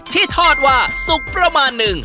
ที่ทอดว่าสุกประมาณหนึ่ง